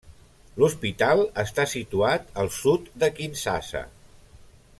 L'hospital està situat al sud de Kinshasa.